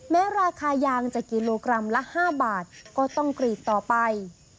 แม้ราคายางจะกิโลกรัมละ๕บาทก็ต้องกรีดต่อไป